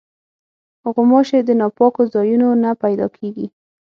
غوماشې د ناپاکو ځایونو نه پیدا کېږي.